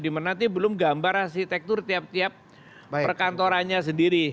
di mana nanti belum gambar arsitektur tiap tiap perkantorannya sendiri